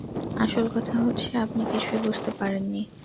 আসল কথা হচ্ছে আপনি কিছুই বুঝতে পারেন নি।